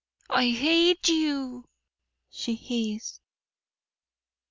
"I hate you!" she hissed.